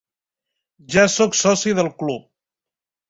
Ja soc soci del club.